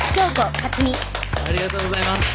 ありがとうございます。